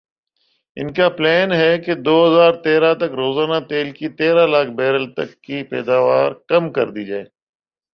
ان کا پلان ھے کہ دو ہزار تیرہ تک روزانہ تیل کی تیرہ لاکھ بیرل تک کی پیداوار کم کر دی جائے